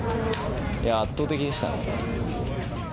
圧倒的でしたね。